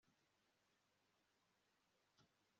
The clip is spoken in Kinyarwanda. ubumenyi ngiro ko bashobora gutera intambwe